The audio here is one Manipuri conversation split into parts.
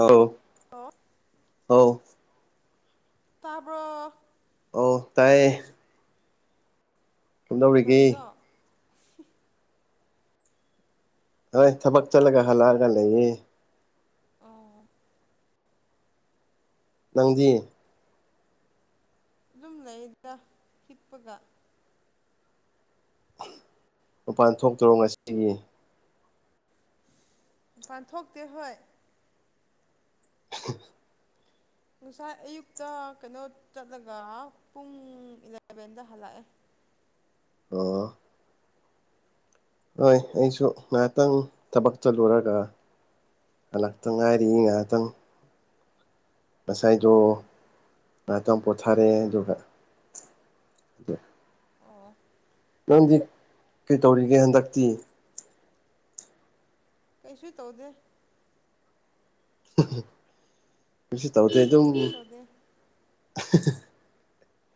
ꯑꯧ ꯑꯣ ꯑꯥꯎ ꯇꯥꯕ꯭ꯔꯣ ꯑꯧ ꯇꯥꯏꯌꯦ ꯀꯝꯗꯧꯔꯤꯒꯦ ꯀꯩꯗꯧꯔꯤꯅꯣ ꯍꯣꯏ ꯊꯕꯛ ꯍꯥ ꯆꯠꯂꯒ ꯍꯜꯂꯛꯑꯒ ꯂꯩꯌꯦ ꯑꯣ ꯅꯪꯗꯤ ꯑꯗꯨꯝ ꯂꯩꯌꯦꯗ ꯍꯤꯞꯄꯒ ꯃꯄꯥꯟ ꯊꯣꯛꯇ꯭ꯔꯣ ꯉꯁꯤ ꯃꯄꯥꯟ ꯊꯣꯛꯇꯦ ꯍꯣꯏ [unintelligible] ꯉꯁꯥꯏ ꯑꯌꯨꯛꯇ ꯀꯩꯅꯣ ꯆꯠꯂꯒ ꯄꯨꯡ ꯏꯂꯚꯦꯟꯗ ꯍꯜꯂꯛꯑꯦ ꯑꯣ ꯍꯣꯏ ꯑꯩꯁꯨ ꯉꯍꯥꯛꯇꯪ ꯊꯕꯛ ꯆꯠꯂꯨꯔꯒ ꯍꯜꯂꯥꯛꯇ ꯉꯥꯏꯔꯤ ꯉꯥꯏꯍꯥꯛꯇꯪ ꯉꯁꯥꯏꯗꯣ ꯑꯣ ꯉꯍꯥꯇꯪ ꯄꯨꯊꯥꯔꯦ ꯑꯗꯨꯒ ꯑꯣ ꯅꯪꯗꯤ ꯀꯩꯇꯧꯔꯤꯒꯦ ꯍꯟꯗꯛꯇꯤ ꯀꯩꯁꯨ ꯇꯧꯗꯦ ꯎꯝ ꯀꯩꯁꯨ ꯇꯧꯗꯦ ꯑꯗꯨꯝ ꯀꯔꯤꯁꯨ ꯇꯧꯗꯦ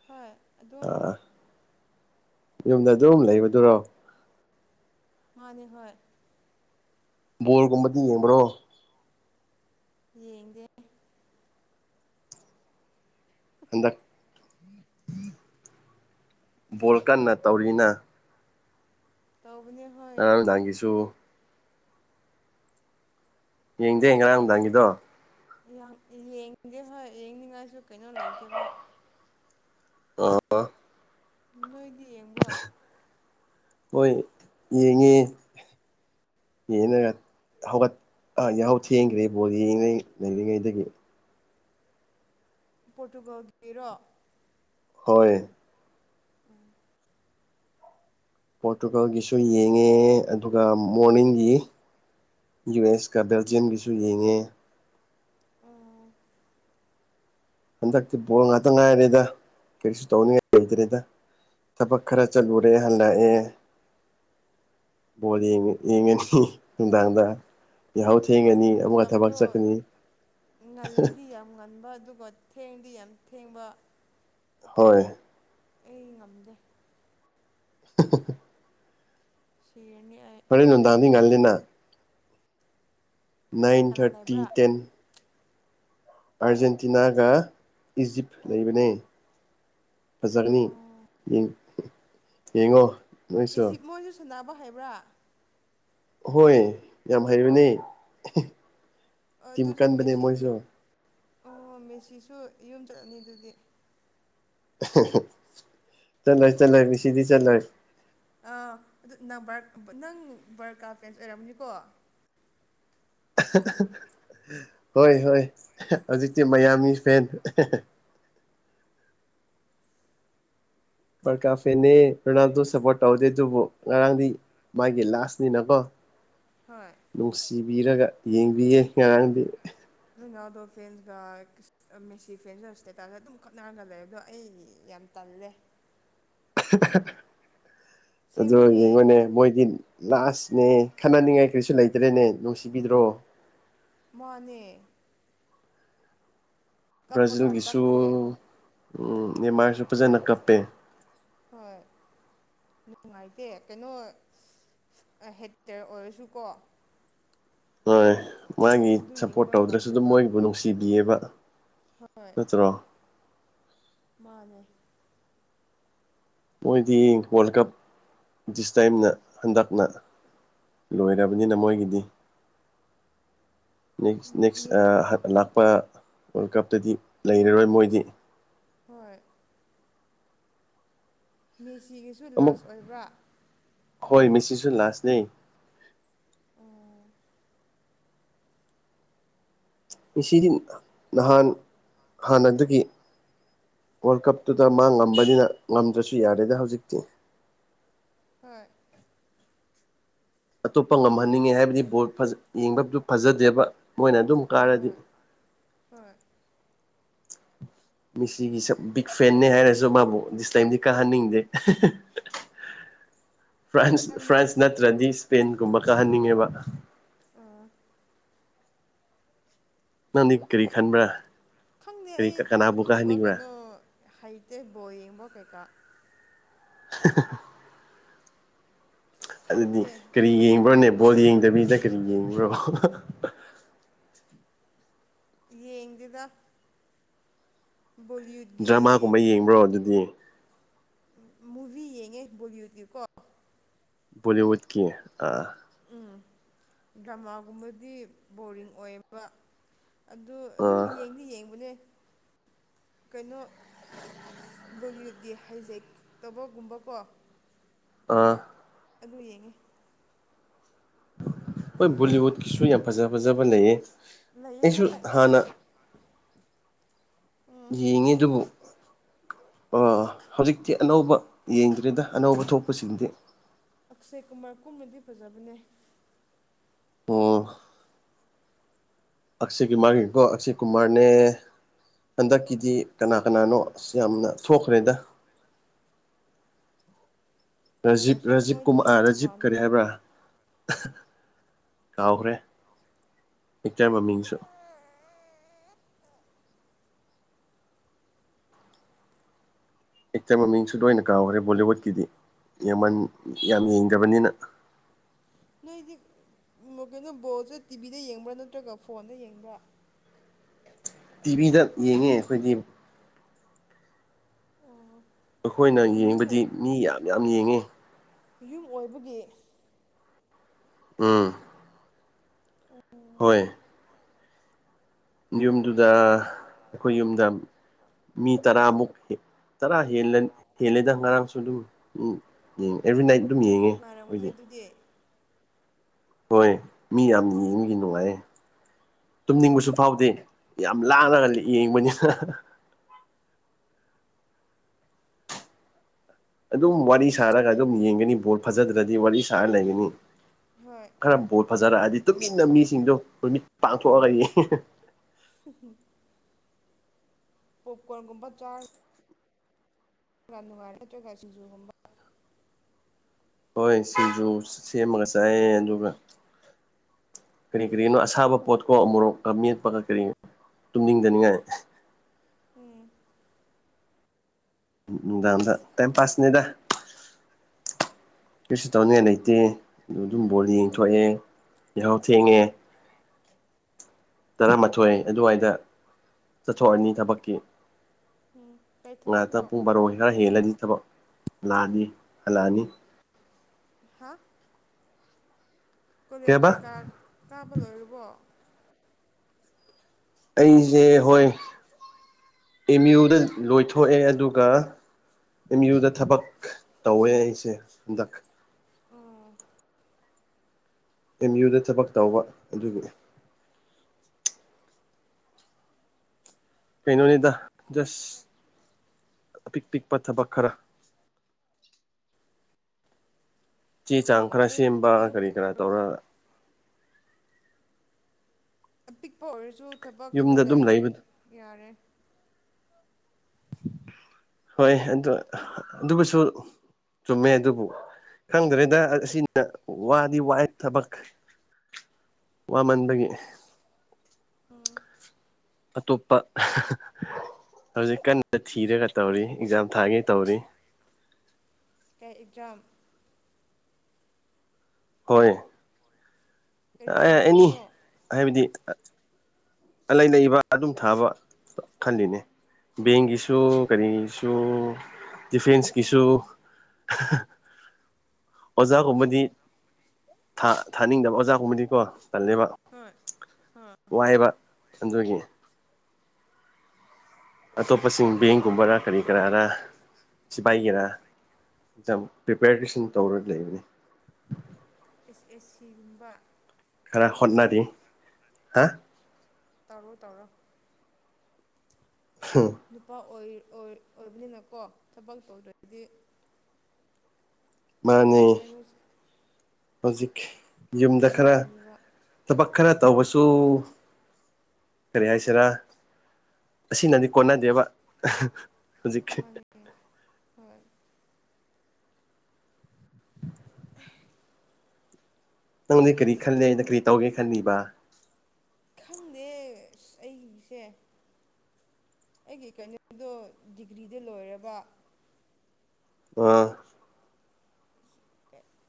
ꯍꯣꯏ ꯑꯗꯨꯝ ꯑꯥ ꯌꯨꯝꯗ ꯑꯗꯨꯝ ꯂꯩꯕꯗꯨꯔꯣ ꯃꯥꯅꯦ ꯍꯣꯏ ꯕꯣꯜ ꯒꯨꯝꯕꯗꯤ ꯌꯦꯡꯕ꯭ꯔꯣ ꯌꯦꯡꯗꯦ ꯍꯟꯗꯛ ꯕꯣꯜ ꯀꯟꯅ ꯇꯧꯔꯤꯅ ꯇꯧꯕꯅꯦ ꯍꯣꯏ ꯉꯔꯥꯡ ꯅꯨꯡꯗꯥꯡꯒꯤꯁꯨ ꯌꯦꯡꯖꯦ ꯉꯔꯥꯡ ꯅꯨꯡꯗꯥꯡꯒꯤꯗꯣ ꯌꯦꯡꯗꯦ ꯍꯣꯏ ꯌꯦꯡꯅꯤꯡꯉꯥꯏꯁꯨ ꯀꯩꯅꯣ ꯂꯩꯇꯦꯕ ꯑ ꯅꯣꯏꯗꯤ ꯌꯦꯡꯕ꯭ꯔꯣ ꯍꯣꯏ ꯌꯦꯡꯉꯦ ꯌꯦꯡꯅꯒ ꯍꯧꯒꯠꯄ ꯌꯥꯍꯧ ꯊꯦꯡꯈ꯭ꯔꯦ ꯕꯣꯜ ꯌꯦꯡꯅꯉꯩ ꯂꯩꯔꯤꯉꯩꯗꯒꯤ ꯄꯣꯔꯇꯨꯒꯜꯒꯤꯔꯣ ꯍꯣꯏ ꯎꯝ ꯄꯣꯔꯇꯨꯒꯜꯒꯤꯁꯨ ꯌꯦꯡꯉꯦ ꯑꯗꯨꯒ ꯃꯣꯔꯅꯤꯡꯒꯤ ꯌꯨ ꯑꯦꯁ ꯀ ꯕꯦꯜꯖꯤꯟ ꯒꯁꯨ ꯌꯦꯡꯉꯦ ꯑꯣ ꯍꯟꯗꯛꯇꯤ ꯕꯣꯜ ꯉꯥꯛꯇ ꯉꯥꯏꯔꯦꯗ ꯀꯔꯤꯁꯨ ꯇꯧꯅꯤꯡꯉꯥꯏ ꯂꯩꯇ꯭ꯔꯦꯗ ꯊꯕꯛ ꯈꯔ ꯆꯠꯂꯨꯔꯦ ꯍꯜꯂꯛꯑꯦ ꯕꯣꯜ ꯌꯦꯡꯉꯤ ꯌꯦꯡꯉꯅꯤ ꯅꯨꯡꯗꯥꯡꯗ ꯌꯥꯍꯧ ꯊꯦꯡꯉꯅꯤ ꯃꯣꯏꯒꯤ ꯑꯃꯨꯛꯀ ꯊꯕꯛ ꯃꯇꯝꯗꯣ ꯆꯠꯀꯅꯤ ꯉꯜꯂꯗꯤ ꯌꯥꯝ ꯉꯟꯕ ꯑꯗꯨꯒ ꯊꯦꯡꯗꯤ ꯌꯥꯝ ꯊꯦꯡꯕ ꯍꯣꯏ ꯑꯩ ꯉꯝꯗꯦ [unintelligible] ꯁꯤꯔꯅꯤ ꯑꯩ ꯍꯣꯔꯦꯟ ꯅꯨꯡꯗꯥꯡꯗꯤ ꯉꯜꯂꯤꯅ ꯀꯅꯥ ꯅꯥꯏꯟ ꯀꯅꯥ ꯊꯥꯔꯇꯤ ꯂꯩꯕ꯭ꯔꯥ ꯇꯦꯟ ꯑꯥꯔꯖꯦꯟꯇꯤꯅꯥꯒ ꯏꯖꯤꯞ ꯑꯣ ꯂꯩꯕꯅꯦ ꯐꯖꯔꯅꯤ ꯑꯣ ꯌꯦꯡ ꯌꯦꯡꯉꯣ ꯅꯣꯏꯁꯨ ꯏꯖꯤꯞ ꯃꯣꯏꯖꯨ ꯁꯥꯟꯅꯕ ꯍꯩꯕ꯭ꯔꯥ ꯍꯣꯏ ꯌꯥꯝ ꯍꯩꯕꯅꯦ ꯑꯗꯨꯁꯨ ꯃꯦꯁꯤ ꯃꯦ ꯑꯣ ꯃꯦꯁꯤꯁꯨ ꯌꯨꯝ ꯆꯠꯂꯅꯤ ꯑꯗꯨꯗꯤ ꯆꯠꯂꯣꯏ ꯆꯠꯂꯣꯏ ꯃꯤꯁꯤꯗꯤ ꯆꯠꯂꯣꯏ ꯑꯥ ꯑꯗꯨ ꯅꯪ ꯕ꯭ꯔꯛ ꯅꯪ ꯕ꯭ꯔꯀꯥ ꯐꯦꯟꯁ ꯑꯣꯏꯔꯝꯃꯅꯤꯀꯣ ꯍꯣꯏ ꯍꯣꯏ ꯍꯧꯖꯤꯛꯇꯤ ꯃꯌꯥꯝꯒꯤ ꯐꯦꯟ ꯄ꯭ꯔꯀꯥ ꯐꯦꯟꯅꯦ ꯔꯣꯅꯥꯜꯗꯣ ꯁꯞꯄꯣꯔ꯭ꯠ ꯇꯧꯗꯦ ꯑꯗꯨꯕꯨ ꯉꯔꯥꯡꯗꯤ ꯃꯥꯒꯤ ꯂꯥꯁꯅꯤꯅꯀꯣ ꯍꯣꯏ ꯅꯨꯡꯁꯤꯕꯤꯔꯒ ꯌꯦꯡꯕꯤꯌꯦ ꯉꯔꯥꯡꯗꯤ ꯔꯨꯅꯥꯜꯗꯣ ꯐꯦꯟꯁꯒ ꯃꯦꯁꯤ ꯐꯦꯟꯁꯖ ꯁ꯭ꯇꯦꯇꯁꯇ ꯑꯗꯨꯝ ꯈꯠꯅꯔꯒ ꯂꯩꯕꯗꯣ ꯑꯩ ꯌꯥꯝ ꯇꯜꯂꯦ ꯑꯗꯨ ꯑꯁꯦꯡꯕꯅꯦ ꯌꯦꯡꯉꯣꯅꯦ ꯃꯣꯏꯒꯤꯝ ꯂꯥꯁꯅꯦ ꯈꯠꯅꯅꯤꯡꯉꯥꯏ ꯀꯔꯤꯁꯨ ꯂꯩꯇ꯭ꯔꯦꯅꯦ ꯅꯨꯡꯁꯤꯕꯤꯗ꯭ꯔꯣ ꯃꯥꯅꯦ ꯀꯞꯄꯒ ꯕ꯭ꯔꯥꯖꯤꯜꯒꯤꯁꯨ ꯆꯠꯈ꯭ꯔꯦ ꯅꯦꯃꯥꯔꯁꯨ ꯐꯖꯅ ꯀꯞꯄꯦ ꯍꯣꯏ ꯅꯨꯡꯉꯥꯏꯇꯦ ꯀꯩꯅꯣ ꯑ ꯍꯦꯠꯇ꯭ꯔ ꯑꯣꯏꯔꯁꯨꯀꯣ ꯍꯣꯏ ꯃꯥꯒꯤ ꯑꯗꯨ ꯁꯞꯄꯣꯔꯠ ꯌꯦꯡꯕ ꯇꯧꯗ꯭ꯔꯁꯨ ꯑꯗꯨꯝ ꯉꯝꯗꯦꯕ ꯃꯣꯏꯕꯨ ꯅꯨꯡꯁꯤꯕꯤꯌꯦꯕ ꯍꯣꯏ ꯅꯠꯇ꯭ꯔꯣ ꯃꯥꯥꯅꯦ ꯃꯣꯏꯗꯤ ꯋꯥꯔꯜ ꯀꯞ ꯗꯤꯁ ꯇꯥꯏꯝꯅ ꯍꯟꯗꯛꯅ ꯂꯣꯏꯔꯕꯅꯤꯅ ꯃꯣꯏꯒꯤꯗꯤ ꯅꯦꯛꯁ ꯅꯦꯛꯁ ꯃꯤ ꯑ ꯍ ꯂꯥꯛꯄ ꯋꯥꯔꯜ ꯀꯞꯇꯗꯤ ꯂꯩꯔꯔꯣꯏ ꯃꯣꯏꯗꯤ ꯍꯣꯏ ꯃꯦꯁꯤꯒꯤꯁꯨ ꯑꯃꯨꯛ ꯂꯥꯁ ꯑꯣꯏꯕ꯭ꯔꯥ ꯍꯣꯏ ꯃꯤꯁꯤꯁꯨ ꯂꯥꯁꯅꯦ ꯑꯣ ꯃꯦꯁꯤꯗꯤ ꯅꯍꯥꯟ ꯍꯥꯟꯅꯗꯒꯤ ꯋꯥꯔꯜ ꯀꯞꯇꯨꯗ ꯃꯥ ꯉꯝꯕꯅꯤꯅ ꯉꯝꯗ꯭ꯔꯁꯨ ꯌꯥꯔꯦꯗ ꯍꯧꯖꯤꯛꯇꯤ ꯍꯣꯏ ꯑꯇꯣꯞꯄ ꯉꯝꯍꯟꯅꯤꯡꯉꯦ ꯍꯥꯏꯕꯗꯤ ꯕꯣꯜ ꯐꯖ ꯌꯦꯡꯕꯗꯨꯞ ꯐꯖꯗꯦꯕ ꯃꯣꯏꯅ ꯑꯗꯨꯝ ꯍꯣꯏ ꯀꯥꯔꯗꯤ ꯍꯣꯏ ꯍꯣꯏ [inaudible] ꯃꯤꯁꯤꯒꯤ ꯁꯞ ꯕꯤꯛ ꯐꯦꯟꯅꯦ ꯍꯥꯏꯔꯁꯨ ꯃꯥꯕꯨ ꯗꯤꯁ ꯇꯥꯏꯝꯗꯤ ꯀꯥꯍꯟꯅꯤꯡꯗꯦ ꯀꯩ ꯐ꯭ꯔꯥꯟꯁ ꯍꯥꯏꯕꯅꯣ ꯐ꯭ꯔꯥꯟꯁ ꯅꯠꯇ꯭ꯔꯗꯤ ꯏꯁꯄꯦꯟꯒꯨꯝꯕ ꯀꯥꯍꯟꯅꯤꯡꯉꯦꯕ ꯑꯥ ꯅꯪꯗꯤ ꯀꯔꯤ ꯈꯟꯕ꯭ꯔꯥ ꯈꯪꯗꯦ ꯀꯔꯤ ꯑꯩ ꯀꯅꯥꯕꯨ ꯑꯗꯨꯒꯨꯝꯕ ꯀꯥꯍꯟꯅꯤꯡꯕ꯭ꯔꯥ ꯀꯩꯅꯣ ꯍꯩꯇꯦ ꯕꯣꯜ ꯌꯦꯡꯕ ꯀꯩꯀꯥ [unintelligible] ꯑꯗꯨꯗꯤ ꯍꯩꯇꯦ ꯀꯔꯤ ꯌꯦꯡꯕ꯭ꯔꯣꯅꯦ ꯕꯣꯜ ꯌꯦꯡꯗꯕꯤꯗ ꯀꯔꯤ ꯌꯦꯡꯕ꯭ꯔꯣ ꯌꯦꯡꯗꯦꯗ ꯕꯣꯜ ꯌꯦ ꯖ꯭ꯔꯃꯥꯒꯨꯝꯕ ꯌꯦꯡꯕ꯭ꯔꯣ ꯑꯗꯨꯗꯤ ꯃꯨꯚꯤ ꯌꯦꯡꯉꯦ ꯕꯣꯂꯤꯋꯨꯗꯀꯤꯀꯣ ꯕꯣꯂꯤꯋꯨꯗꯀꯤ ꯑꯥ ꯎꯝ ꯗ꯭ꯔꯃꯥꯒꯨꯝꯕꯗꯤ ꯕꯣꯔꯤꯡ ꯑꯣꯏꯌꯦꯕ ꯑꯗꯨ ꯑꯗꯨꯝ ꯑꯥ ꯌꯦꯡꯗꯤ ꯌꯦꯡꯕꯅꯦ ꯀꯩꯅꯣ ꯕꯣꯂꯤꯋꯨꯗꯀꯤ ꯍꯥꯏꯖꯦ ꯇꯕꯒꯨꯝꯕ ꯀꯣ ꯑꯥ ꯑꯗꯣ ꯌꯦꯡꯉꯦ ꯍꯣꯏ ꯕꯣꯂꯤꯋꯨꯠꯀꯤꯁꯨ ꯌꯥꯝ ꯐꯖ ꯐꯖꯕ ꯂꯩꯌꯦ ꯂꯩ ꯑꯩꯁꯨ ꯍꯣꯏ ꯍꯥꯟꯅ [unintelligible] ꯎꯝ ꯌꯦꯡꯉꯦꯗꯨꯕꯨ ꯑꯥ ꯍꯧꯖꯤꯛꯇꯤ ꯑꯅꯧꯕ ꯌꯦꯡꯗ꯭ꯔꯦꯗ ꯑꯅꯧꯕ ꯊꯣꯛꯄꯁꯤꯡꯗꯤ ꯑꯛꯁꯦ ꯀꯨꯃꯥꯔ ꯀꯨꯝꯕꯗꯤ ꯐꯖꯕꯅꯦ ꯑꯣ ꯑꯛꯁꯦ ꯀꯨꯃꯥꯔꯒꯤꯀꯣ ꯑꯛꯁꯦ ꯀꯨꯃꯥꯔꯅꯦ ꯍꯟꯗꯛꯀꯤꯗꯤ ꯀꯅꯥ ꯀꯅꯥꯅꯣ ꯑꯁ ꯌꯥꯝꯅ ꯊꯣꯛꯈ꯭ꯔꯦꯗ ꯔꯖꯤꯞ ꯇꯥꯏꯒꯔ ꯁ꯭ꯔꯣꯐ ꯔꯥꯖꯤꯞ ꯀꯨꯝ ꯃꯣꯏꯗꯤ ꯑꯥ ꯀꯩꯅꯣ ꯔꯥꯖꯤꯞ ꯀꯔꯤ ꯃꯥꯟꯗ꯭ꯔꯣ ꯍꯥꯏꯕ꯭ꯔꯥ ꯀꯥꯎꯈ꯭ꯔꯦ ꯑꯦꯛꯇꯔ ꯃꯃꯤꯡꯁꯨ ꯑꯦꯛꯇꯔ ꯃꯃꯤꯡꯁꯨ ꯂꯣꯏꯅ ꯀꯥꯎꯈ꯭ꯔꯦ ꯕꯣꯂꯤꯋꯨꯗꯀꯤꯗꯤ ꯌꯥꯝꯃꯟ ꯌꯥꯝ ꯌꯦꯡꯗꯕꯅꯤꯅ ꯅꯣꯏꯗꯤ ꯀꯩꯅꯣ ꯕꯣꯜꯁꯦ ꯇꯤꯚꯤꯗ ꯌꯦꯡꯕ꯭ꯔꯥ ꯅꯠꯇ꯭ꯔꯒ ꯐꯣꯟꯗ ꯌꯦꯡꯕ꯭ꯔꯥ ꯇꯤꯚꯤꯗ ꯌꯦꯡꯉꯦ ꯑꯩꯈꯣꯏꯒꯤ ꯑꯣ ꯑꯩꯈꯣꯏꯅ ꯌꯨꯝ ꯌꯦꯡꯕꯗꯤ ꯃꯤ ꯌꯥꯝ ꯌꯥꯝ ꯌꯦꯡꯉꯦ ꯌꯨꯝ ꯑꯣꯏꯕꯒꯤ ꯎꯝ ꯍꯣꯏ ꯌꯨꯝꯗꯨꯗ ꯑꯩꯈꯣꯏ ꯌꯨꯝꯗ ꯃꯤ ꯇꯔꯥꯃꯨꯛ ꯍꯦ ꯇꯔꯥ ꯍꯦꯜꯂꯥ ꯍꯦꯜꯂꯦꯗ ꯉꯔꯥꯡꯁꯨ ꯑꯗꯨꯝ [unintelligible] ꯑꯦꯕ꯭ꯔꯤ ꯅꯥꯏꯠ ꯑꯗꯨꯝ ꯌꯦꯡꯉꯦ ꯑꯩꯈꯣꯏꯗꯤ ꯗꯦ ꯍꯣꯏ ꯃꯤ ꯌꯥꯝꯅ ꯌꯦꯡꯕꯒꯤ ꯅꯨꯡꯉꯥꯏꯌꯦ ꯇꯨꯝꯅꯤꯡꯕꯁꯨ ꯐꯥꯎꯗꯦ ꯌꯥꯝ ꯂꯥꯡꯂꯒ ꯌꯦꯡꯕꯅꯤꯅ ꯑꯗꯨꯝ ꯋꯥꯔꯤ ꯁꯥꯔꯒ ꯑꯗꯨꯝ ꯌꯦꯡꯒꯅꯤ ꯕꯣꯜ ꯐꯖꯗ꯭ꯔꯗꯤ ꯋꯥꯔꯤ ꯁꯥꯔ ꯂꯩꯒꯅꯤ ꯍꯣꯏ ꯈꯔ ꯕꯣꯜ ꯐꯖꯔꯛꯑꯗꯤ ꯇꯨꯃꯤꯟꯅ ꯃꯤꯁꯤꯡꯗꯣ ꯃꯃꯤꯠ ꯄꯥꯡꯊꯣꯛꯑꯒ [unintelligible] [unintelligible] ꯄꯣꯞꯀꯣꯔꯟꯒꯨꯝꯕ ꯆꯥꯔ- ꯕ꯭ꯔꯥ ꯅꯨꯡꯉꯥꯏꯔꯛꯇ꯭ꯔꯥꯒ ꯁꯤꯡꯖꯨꯒꯨꯝꯕ ꯍꯣꯏ ꯁꯤꯡꯖꯨ ꯁꯦꯝꯃꯒ ꯆꯥꯏꯌꯦ ꯑꯗꯨꯒ ꯀꯔꯤ ꯀꯔꯤꯅꯣ ꯑꯁꯥꯕ ꯄꯣꯠꯀꯣ ꯎꯃꯣꯔꯣꯛꯀ ꯃꯦꯠꯄꯒ ꯀꯔꯤꯅꯣ ꯇꯨꯝꯅꯤꯡꯗꯅꯤꯡꯉꯥꯏ ꯎꯝ ꯎꯝ ꯅꯨꯡꯗꯥꯡꯗ ꯇꯥꯏꯝ ꯄꯥꯁꯅꯤꯗ ꯀꯩꯁꯨ ꯇꯧꯅꯤꯡꯉꯥꯏ ꯂꯩꯇꯦ ꯑꯗꯨ ꯑꯗꯨꯝ ꯕꯣꯜ ꯌꯦꯡꯊꯣꯛꯑꯦ ꯌꯥꯍꯧ ꯊꯦꯡꯉꯦ ꯇꯔꯥꯃꯥꯊꯣꯏ ꯑꯗꯨꯋꯥꯏꯗ ꯆꯠꯊꯣꯛꯑꯅꯤ ꯎꯝ ꯊꯕꯛꯀꯤ ꯎꯝ ꯀꯩ ꯉꯥꯇ ꯊꯕꯛꯅꯣ ꯄꯨꯡ ꯕꯥꯔꯣ ꯈꯔ ꯍꯦꯜꯂꯅꯤ ꯊꯕꯛ ꯂꯥꯛꯑꯅꯤ ꯍꯜꯂꯛꯑꯅꯤ ꯍꯥ ꯀꯣꯂꯦꯖ ꯀꯩꯕ ꯀꯩꯀꯥ ꯀꯥꯕ ꯂꯣꯏꯔꯕꯣ ꯑꯩꯁꯦ ꯍꯣꯏ ꯑꯦꯝ ꯌꯨꯗ ꯂꯣꯏꯊꯣꯛꯑꯦ ꯑꯗꯨꯒ ꯑꯦꯝ ꯌꯨꯗ ꯊꯕꯛ ꯇꯧꯋꯦ ꯑꯩꯁꯦ ꯍꯟꯗꯛ ꯑꯣ ꯑꯦꯝ ꯌꯨꯗ ꯊꯕꯛ ꯇꯧꯕ ꯑꯗꯨꯒꯤ ꯀꯩꯅꯣꯅꯤꯗ ꯖꯁ ꯑꯄꯤꯛ ꯄꯤꯛꯄ ꯊꯕꯛ ꯈꯔ ꯆꯦ ꯆꯥꯡ ꯌꯥꯝ ꯈꯔ ꯐꯩꯌꯦ ꯁꯦꯝꯕ ꯄꯤꯛꯄꯤꯌꯨ ꯀꯔꯤ ꯄꯤꯛ ꯀꯔꯥ ꯑꯣꯏꯔꯁꯨ ꯇꯧꯔ ꯑꯄꯤꯛꯄ ꯑꯣꯏꯔꯁꯨ ꯊꯕꯛ ꯀꯩꯅꯣ ꯌꯨꯝꯗ ꯑꯗꯨꯝ ꯂꯩꯔꯗꯤ ꯂꯩꯕꯗꯣ ꯌꯥꯔꯦ ꯍꯣꯏ ꯑꯗꯨ ꯑꯗꯨꯕꯨꯁꯨ ꯆꯨꯝꯃꯦ ꯑꯗꯨꯕꯨ ꯈꯪꯗ꯭ꯔꯦꯗ ꯑꯁꯤꯅ ꯋꯥꯗꯤ ꯋꯥꯏ ꯊꯕꯛ ꯋꯥꯃꯟꯗꯒꯤ ꯎꯝ ꯑꯇꯣꯞꯄ ꯍꯧꯖꯤꯛ ꯀꯟꯅ ꯊꯤꯔꯒ ꯇꯧꯔꯤ ꯑꯦꯛꯖꯥꯝ ꯊꯥꯒꯦ ꯇꯧꯔꯤ ꯀ ꯑꯦꯛꯖꯥꯝ ꯍꯣꯏ ꯀꯔꯤ ꯑꯦꯅꯤ ꯑꯦꯛꯖꯥꯝꯅꯣ ꯍꯥꯏꯕꯗꯤ ꯂꯩꯥꯏꯅ ꯏꯕ ꯑꯗꯨꯝ ꯊꯥꯕ ꯈꯜꯂꯤꯅꯦ ꯕꯦꯡꯒꯤꯁꯨ ꯀꯔꯤꯒꯤꯁꯨ ꯗꯤꯐꯦꯟꯁꯀꯤꯁꯨ ꯑꯣ ꯑꯣꯖꯥ ꯀꯃꯗꯤ ꯊꯥꯅꯤꯡꯗꯕ ꯑꯣꯖꯥꯒꯨꯝꯕꯗꯤꯀꯣ ꯇꯜꯂꯦꯕ ꯑꯣ ꯍꯣꯏ ꯍꯣꯏ ꯋꯥꯏꯑꯕ ꯑꯗꯨꯒꯤ ꯑꯇꯣꯞꯄꯁꯤꯡ ꯕꯦꯡꯒꯨꯝꯕꯔꯥ ꯀꯔꯤ ꯀꯔꯥꯔ ꯁꯤꯐꯥꯏꯒꯦꯔꯥ ꯑꯦꯛꯝ ꯄ꯭ꯔꯤꯄꯦꯔꯇꯦꯁꯟ ꯇꯧꯔꯒ ꯂꯩꯕꯅꯤ ꯑꯦꯁ ꯑꯦꯁ ꯁꯤꯒꯨꯝꯕ ꯈꯔ ꯍꯣꯠꯅꯔꯤ ꯍꯥ ꯇꯧꯔꯣ ꯇꯧꯔꯣ ꯍꯝ ꯅꯨꯄꯥ ꯑꯣꯏ ꯑꯣꯏꯕꯅꯤꯅꯀꯣ ꯊꯕꯛ ꯇꯧꯗ꯭ꯔꯗꯤ ꯃꯥꯅꯦ ꯀꯩꯅꯣ ꯍꯧꯖꯤꯛ ꯌꯨꯝꯗ ꯈꯔ ꯂꯥꯏꯒꯅꯤꯕ ꯊꯕꯛ ꯈꯔ ꯇꯧꯧꯕꯁꯨ ꯀꯔꯤ ꯍꯥꯏꯁꯤꯔꯥ ꯑꯁꯤꯅꯗꯤ ꯀꯣꯟꯅꯗꯦꯕ ꯍꯧꯖꯤꯛ ꯃꯥꯅꯤ ꯍꯣꯏ ꯅꯪꯗꯤ ꯀꯔꯤ ꯈꯜꯂꯦ ꯅ ꯀꯔꯤ ꯇꯧꯒꯦ ꯈꯟꯜꯂꯤꯕ ꯈꯪꯗꯦ ꯑ ꯑꯩꯁꯦ ꯑꯩꯒꯤ ꯀꯩꯅꯣꯗꯣ ꯗꯤꯒ꯭ꯔꯤꯗ ꯂꯣꯏꯔꯕ ꯎ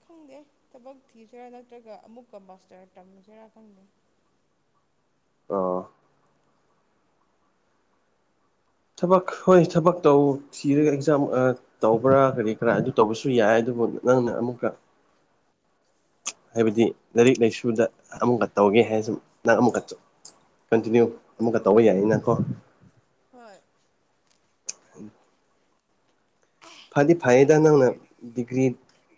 ꯈꯪꯗꯦ ꯊꯕꯛ ꯊꯤꯁꯤꯔꯥ ꯅꯠꯇ꯭ꯔꯒ ꯑꯃꯨꯛꯀ ꯃꯥꯁꯇꯔ ꯇꯝꯃꯤꯁꯤꯔꯥ ꯈꯪꯗꯦ ꯑꯣ ꯊꯕꯛ ꯍꯣꯏ ꯊꯕꯛ ꯇꯧ ꯊꯤꯔꯒ ꯑꯦꯛꯖꯥꯝ ꯇꯧꯕ꯭ꯔꯥ ꯀꯔꯤ ꯀꯔꯥ ꯑꯗꯨ ꯇꯧꯕꯁꯨ ꯌꯥꯏ ꯑꯗꯨꯕꯨ ꯅꯪꯅ ꯑꯃꯨꯛꯀ ꯍꯥꯏꯕꯗꯤ ꯂꯥꯏꯔꯤꯛ ꯂꯥꯏꯁꯨꯗ ꯑꯃꯨꯛꯀ ꯇꯧꯒꯦ ꯍꯥꯏꯅ ꯁꯨꯝ ꯅꯪ ꯑꯃꯨꯛꯀ ꯀꯟꯇꯤꯅ꯭ꯌꯨ ꯑꯃꯒ ꯇꯧꯕ ꯌꯥꯏꯅꯀꯣ ꯍꯣꯏ ꯎꯝ ꯐꯗꯤ ꯐꯩꯗ ꯅꯪꯅ ꯗꯤꯒ꯭ꯔꯤ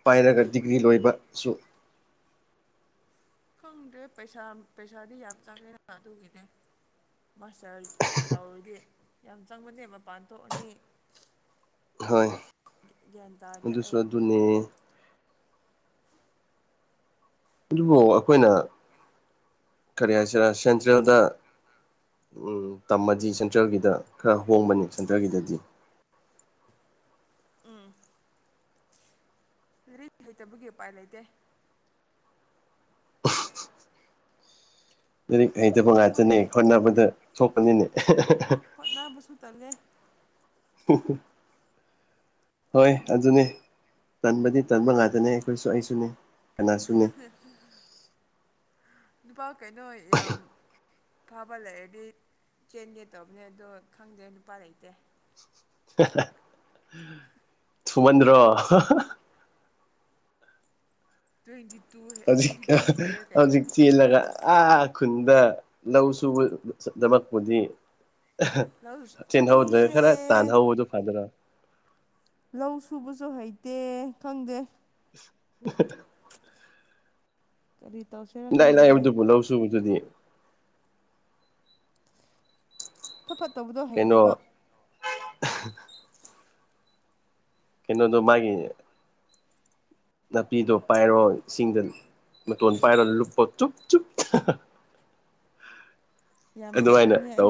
ꯄꯥꯏꯔꯒ ꯗꯤꯒ꯭ꯔꯤ ꯂꯣꯏꯕꯁꯨ ꯪꯗꯦ ꯄꯩꯁꯥ ꯄꯩꯁꯥꯗꯤ ꯌꯥꯝ ꯆꯪꯉꯦ ꯑꯗꯨꯒꯤꯅꯦ ꯃꯥꯁꯇꯔ ꯇꯧꯔꯗꯤ ꯌꯥꯝ ꯆꯪꯕꯅꯦ ꯃꯄꯥꯟ ꯊꯣꯛꯑꯅꯤ ꯍꯣꯏ ꯒ꯭ꯌꯥꯟ ꯇꯥꯗ꯭ꯔ ꯑꯩ ꯄꯨꯅꯦ ꯑꯗꯨꯕꯨ ꯑꯩꯈꯣꯏꯅ ꯀꯔꯤ ꯍꯥꯏꯁꯤꯔꯥ ꯁꯦꯟꯇ꯭ꯔꯦꯜꯗ ꯇꯝꯃꯗꯤ ꯁꯦꯟꯇ꯭ꯔꯦꯜꯒꯤꯗ ꯈꯔ ꯍꯣꯡꯕꯅꯤ ꯁꯦꯟꯇ꯭ꯔꯒꯤꯗꯗꯤ ꯎꯝ ꯃꯤ ꯍꯩꯇꯕꯒꯤ ꯎꯄꯥꯏ ꯂꯩꯇꯦ ꯂꯥꯏꯔꯤꯛ ꯍꯩꯇꯕ ꯑꯁꯦꯡꯕꯅꯦ ꯉꯥꯛꯇꯅꯦ ꯍꯣꯠꯅꯕꯗ ꯁꯣꯛꯄꯅꯤꯅꯦ ꯍꯣꯠꯅꯕꯁꯨ ꯇꯜꯂꯦ ꯍ ꯍꯣꯏ ꯑꯗꯨꯅꯤ ꯇꯟꯕꯗꯤ ꯇꯟꯕ ꯉꯥꯛꯇꯅꯦ ꯑꯩꯈꯣꯏꯁꯨ ꯑꯩꯁꯨꯅꯤ ꯀꯅꯥꯁꯨꯅꯤ ꯅꯨꯄꯥ ꯀꯩꯅꯣ ꯌꯥꯝ ꯐꯕ ꯂꯩꯔꯗꯤ ꯆꯦꯟꯒꯦ ꯇꯧꯕꯅꯦ ꯑꯗꯣ ꯈꯪꯗꯦ ꯅꯨꯄꯥ ꯂꯩꯇꯦ ꯊꯨꯃꯟꯗ꯭ꯔꯣ ꯇ꯭ꯋꯦꯟꯇꯤ ꯇꯨ ꯍꯧꯖꯤꯛ ꯇ꯭ꯋꯦꯟꯇꯤ ꯇꯨ ꯁꯨꯔꯦ ꯀꯩꯅꯣ ꯍꯧꯖꯤꯛ ꯀꯩꯁꯨ ꯆꯦꯜꯂꯒ ꯀꯥꯏꯗꯦ ꯑ ꯈꯨꯟꯗ ꯂꯧ ꯁꯨꯕ ꯗꯃꯛꯄꯨꯗꯤ ꯑꯍꯥ ꯂꯧ ꯆꯦꯟꯍꯧꯗ꯭ꯔ ꯑꯩꯁꯦ ꯈꯔ ꯇꯥꯟꯅꯍꯧꯕꯗꯨ ꯐꯗ꯭ꯔꯥ꯫ ꯂꯧ ꯁꯨꯕꯁꯨ ꯍꯩꯇꯦ ꯈꯪꯗꯦ꯫ ꯑꯍꯑꯍꯥ ꯀꯔꯤ ꯇꯧꯁꯤꯔꯥ ꯏꯂꯥꯏ ꯈꯪꯗꯦ ꯑꯩ ꯂꯥꯏꯕꯗꯨꯕꯨ ꯂꯧ ꯁꯨꯕꯗꯨꯗꯤ ꯐꯠ ꯐꯠ ꯇꯧꯕꯗꯣ ꯀꯩꯅꯣ ꯍꯩꯇꯕ꯫ ꯀꯩꯅꯣꯗꯨ ꯃꯥꯒꯤ ꯅꯥꯄꯤꯗꯣ ꯄꯥꯏꯔꯣ ꯏꯁꯤꯡꯗ ꯃꯇꯣꯟ ꯄꯥꯏꯔꯣ ꯂꯨꯞꯄꯣ꯫ ꯆꯨꯞ ꯆꯨꯞ ꯑꯍꯥꯍꯥ ꯌꯥꯝ ꯑꯗꯨꯃꯥꯏꯅ ꯇꯞꯅꯤꯡꯍꯦ ꯇꯧ ꯑꯩ꯫